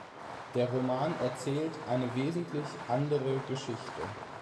Der Roman erzählt eine wesentlich andere Geschichte.